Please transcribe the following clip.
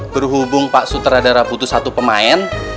berhubung pak sutradara butuh satu pemain